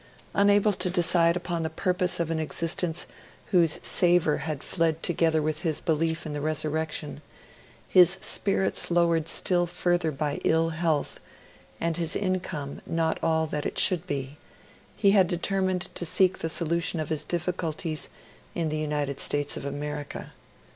Unable to decide upon the purpose of an existence whose savour had fled together with his belief in the Resurrection, his spirits lowered still further by ill health, and his income not all that it should be, he had determined to seek the solution of his difficulties in the United States of America.